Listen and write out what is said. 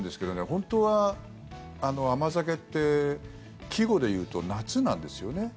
本当は甘酒って季語で言うと夏なんですよね。